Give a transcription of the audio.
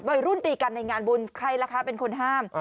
วัยรุ่นตีกันในงานบุญใครล่ะคะเป็นคนห้าม